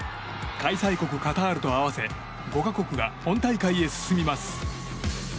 開催国カタールと合わせ５か国が本大会へ進みます。